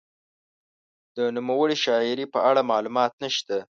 د نوموړې شاعرې په اړه معلومات نشته.